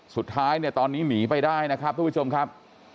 สุดท้ายตอนนี้หมีไปได้นะครับพี่ประชมครับ